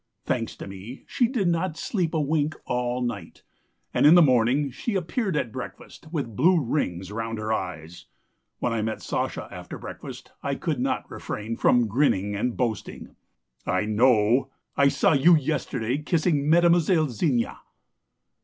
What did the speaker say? Thanks to me, she did not sleep a wink all night, and in the morning she appeared at breakfast with blue rings round her eyes. When I met Sasha after breakfast I could not refrain from grinning and boasting: "'I know! I saw you yesterday kissing Mademoiselle Zina!'